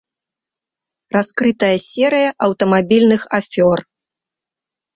Раскрытая серыя аўтамабільных афёр.